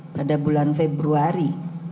pada bulan februari